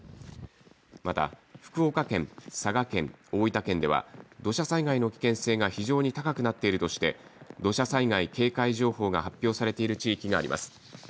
また福岡県、佐賀県、大分県では土砂災害の危険性が非常に高くなっているとして土砂災害警戒情報が発表されている地域があります。